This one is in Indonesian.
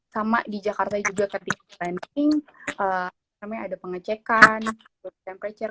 sama di jakarta juga tadi covid sembilan belas namanya ada pengecekan temperature